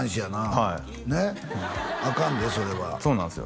はいねっあかんでそれはそうなんですよ